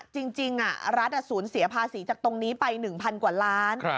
จริงรัฐสูญเสียภาษีจากตรงนี้ไป๑๐๐กว่าล้าน